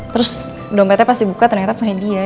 terus dompetnya pas dibuka ternyata pengen dia